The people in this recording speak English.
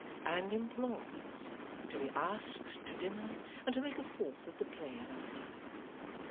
' And implores to be asked to dinner, and to make a fourth at the play another time.